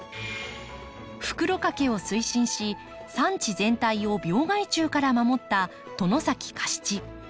袋かけを推進し産地全体を病害虫から守った外崎嘉七。